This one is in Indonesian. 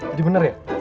jadi bener ya